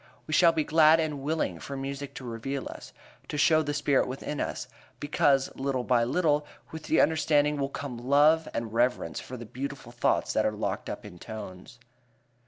We shall be glad and willing for music to reveal us, to show the spirit within us, because little by little with the understanding will come love and reverence for the beautiful thoughts that are locked up in tones.